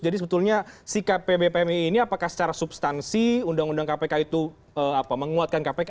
jadi sebetulnya si kp bpmi ini apakah secara substansi undang undang kpk itu menguatkan kpk